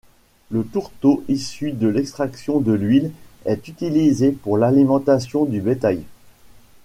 Le tourteau issu de l'extraction de l'huile est utilisé pour l'alimentation du bétail.